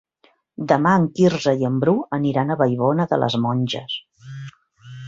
Demà en Quirze i en Bru aniran a Vallbona de les Monges.